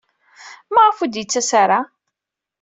Maɣef ur d-yettas ara?